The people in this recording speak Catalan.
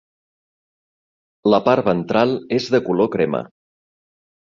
La part ventral és de color crema.